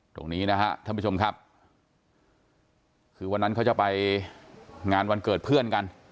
ตรงนี้นะฮะท่านผู้ชมครับคือวันนั้นเขาจะไปงานวันเกิดเพื่อนกัน